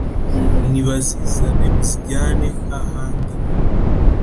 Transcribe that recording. nibazizane uzijyane, hahandi